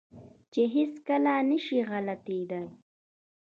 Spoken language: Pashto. چې هېڅ کله نه شي غلطېداى.